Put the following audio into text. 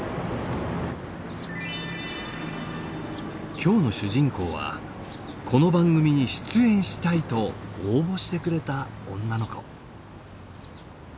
今日の主人公はこの番組に出演したいと応募してくれた女の子。